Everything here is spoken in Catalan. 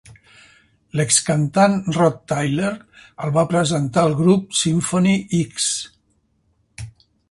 L"ex cantant Rod Tyler el va presentar al grup Symphony X.